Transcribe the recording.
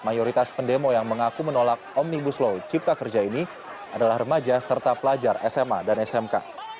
mayoritas pendemo yang mengaku menolak omnibus law cipta kerja ini adalah remaja serta pelajar sma dan smk